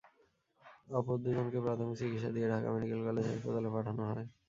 অপর দুজনকে প্রাথমিক চিকিৎসা দিয়ে ঢাকা মেডিকেল কলেজ হাসপাতালে পাঠানো হয়।